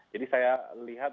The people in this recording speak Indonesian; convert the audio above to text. jadi saya lihat mungkin